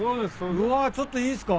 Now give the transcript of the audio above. うわちょっといいっすか？